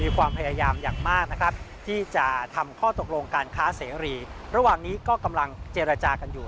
การค้าเสรีระหว่างนี้ก็กำลังเจรจากันอยู่